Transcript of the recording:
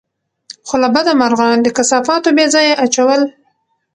خو له بده مرغه، د کثافاتو بېځايه اچول